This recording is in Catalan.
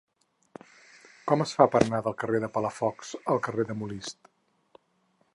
Com es fa per anar del carrer de Palafox al carrer de Molist?